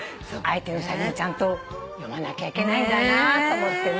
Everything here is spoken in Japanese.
相手のせりふもちゃんと読まなきゃいけないんだと思って。